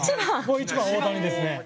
１番大谷ですね。